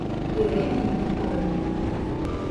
І рэмень не той.